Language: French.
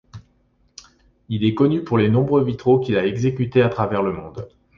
Il est connu pour les nombreux vitraux qu’il a exécutés à travers le monde.